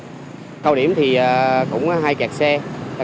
nên mỗi khi mưa ngập chúng trở thành những cái bẫy nguy hiểm cho người đi đường